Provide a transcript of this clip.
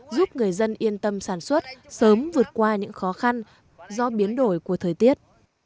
giúp người dân yên tâm sản xuất sớm vượt qua những khó khăn do biến đổi của thời tiết